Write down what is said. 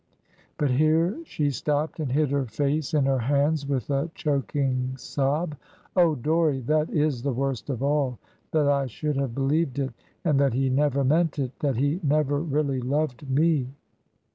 But here she stopped and hid her face in her hands, with a choking sob. "Oh, Dorrie, that is the worst of all, that I should have believed it, and that he never meant it; that he never really loved me."